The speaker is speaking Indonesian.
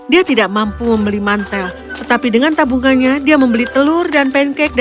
dia tidak mampu membeli mantel tetapi dengan tabungannya dia membeli telur dan pancake